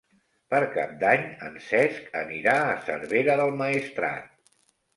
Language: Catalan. Per Cap d'Any en Cesc anirà a Cervera del Maestrat.